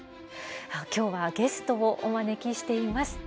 今日はゲストをお招きしています。